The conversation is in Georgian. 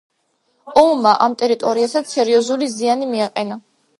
ომმა ამ ტერიტორიასაც სერიოზული ზიანი მიაყენა.